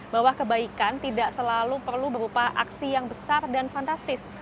bahwa kebaikan tidak selalu perlu berupa aksi yang besar dan fantastis